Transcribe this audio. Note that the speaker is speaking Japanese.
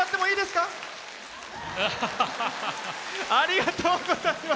ありがとうございます！